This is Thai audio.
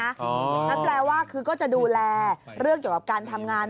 นั่นแปลว่าคือก็จะดูแลเรื่องเกี่ยวกับการทำงาน